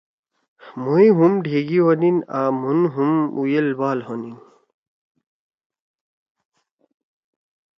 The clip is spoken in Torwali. مھوئے ھوم ڈھیگی ہونیین آں مھون ھم اُجل بال ہونین